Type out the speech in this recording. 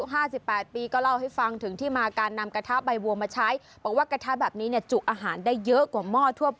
หอมเลยล่ะดูสิว่ากระทะพร้อมอยู่ไหม